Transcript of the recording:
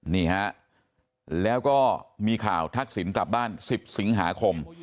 นี่ฮะแล้วก็มีข่าวทักษิณกลับบ้าน๑๐สิงหาคม